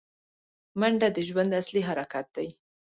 منډه د ژوند اصلي حرکت دی